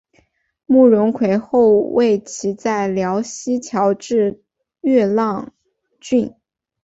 慕容廆后为其在辽西侨置乐浪郡。